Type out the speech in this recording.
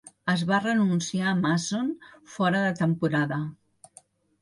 Es va renunciar a Mason fora de temporada.